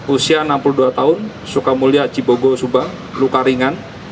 usia enam puluh dua tahun sukamulya cibogo subang luka ringan